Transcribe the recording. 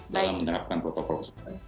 dalam menerapkan protokol kesehatan